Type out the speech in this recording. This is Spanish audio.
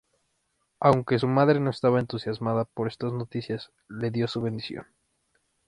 Aunque su madre no estaba entusiasmada por estas noticias, le dio su bendición.